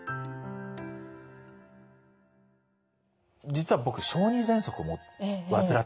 実は僕小児ぜんそくを患ってたんですよね。